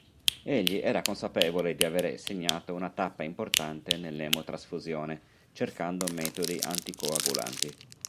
Egli era consapevole di avere segnato una tappa importante nell'emotrasfusione, cercando metodi anticoagulanti.